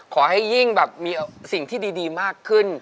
ขอให้ยิ่งแบบมีสิ่งที่ดีมากขึ้น